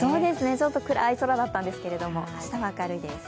ちょっと暗い空だったんですけれども、明日は明るいです。